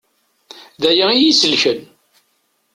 D aya i yi-selken.